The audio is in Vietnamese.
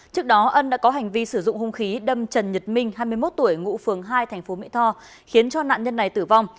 trước đó ân đã có hành vi sử dụng hung khí đâm trần nhật minh hai mươi một tuổi ngụ phường hai tp mỹ tho khiến cho nạn nhân này tử vong